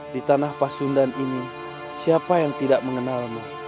di tanah pasundan ini siapa yang tidak mengenalmu